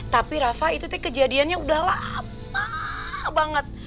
tapi rafa itu teh kejadiannya udah lamaaa banget